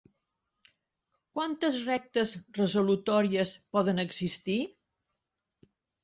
Quantes rectes resolutòries poden existir?